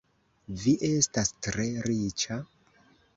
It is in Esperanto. Vi estas tre riĉa?